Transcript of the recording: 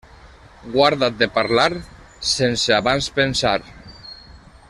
Guarda't de parlar, sense abans pensar.